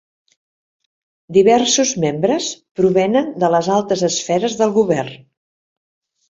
Diversos membres provenen de les altes esferes del govern.